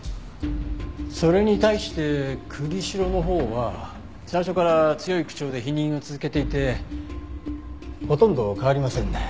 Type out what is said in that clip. それに対して栗城のほうは最初から強い口調で否認を続けていてほとんど変わりませんね。